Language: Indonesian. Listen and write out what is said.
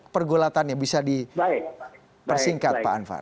pergolatannya bisa di persingkat pak anvar